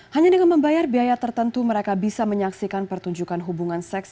hanya dengan membayar biaya tertentu mereka bisa menyaksikan pertunjukan hubungan seks